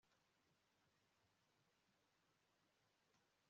imisanzu itangwa inyujijwe ku mubitsi